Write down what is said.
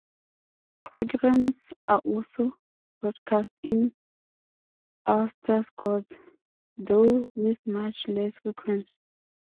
Programmes are also broadcast in Ulster Scots, though with much less frequency.